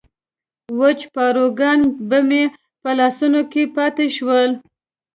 وچ پاروګان به مې په لاسو کې پاتې شول.